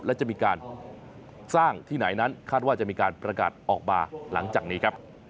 และจะมีการสร้างที่ไหนนั้นคาดว่าจะมีการประกาศออกมาหลังจากนี้ครับ